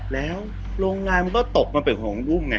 แล้วโรงงานมันก็ตกมาเป็นของบุ้งไง